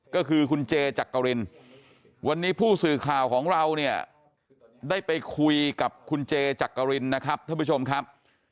ก็คือคุณเจจักรินวันนี้ผู้สื่อข่าวของเราเนี่ยได้ไปคุยกับคุณเจจักรินนะครับท่านผู้ชมครับ